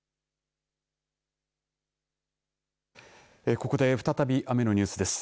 ここで再び雨のニュースです。